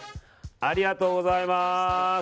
ありがとうございます。